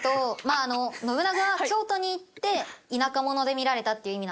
あの信長は京都に行って田舎者に見られたっていう意味なので。